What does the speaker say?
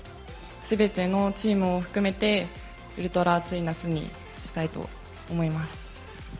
すべてのチームを含めて、ウルトラ熱い夏にしたいと思います。